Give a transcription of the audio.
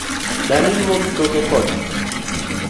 Dani luongi toke kocha